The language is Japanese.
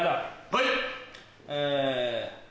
はい。